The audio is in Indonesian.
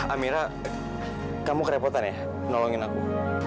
amira kamu kerepotan ya nolongin aku